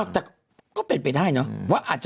แต่ก็เป็นไปได้เนอะ